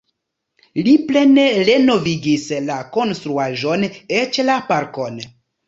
Li plene renovigis la konstruaĵon eĉ la parkon.